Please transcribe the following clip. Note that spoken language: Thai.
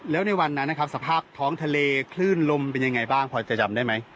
แล้วในวันนั้นนะครับสภาพท้องทะเลคลื่นลมเป็นยังไงบ้างพอจะจำได้ไหม